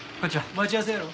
待ち合わせやろ。